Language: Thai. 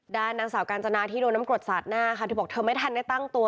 ด้านนางสาวการจนาที่โดนน้ำกรดสาดหน้าค่ะ